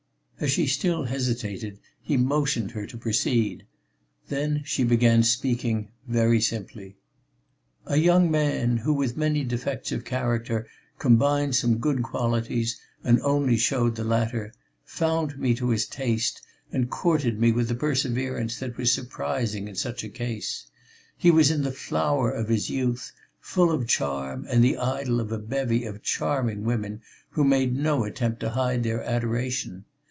As she still hesitated, he motioned to her to proceed. Then she began speaking very simply: "A young man, who with many defects of character combined some good qualities, and only showed the latter, found me to his taste and courted me with a perseverance that was surprising in such a case; he was in the flower of his youth, full of charm and the idol of a bevy of charming women who made no attempt to hide their adoration.